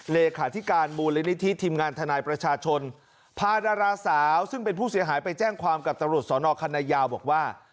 เลขาธิการมูลนิธิทีมงานทนายประชาชนพาดาราสาวซึ่งเป็นผู้เสียหายไปแจ้งความกับตำรวจสอนอคณะยาวบอกว่า